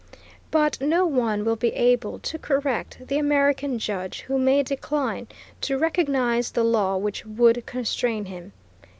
But no one will be able to correct the American judge who may decline to recognize the law which would constrain him.